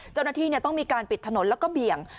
เจ้าหน้าที่ต้องมีการปิดถนนแล้วก็เบี่ยง